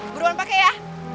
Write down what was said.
berduaan pakai ya